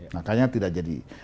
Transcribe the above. makanya tidak jadi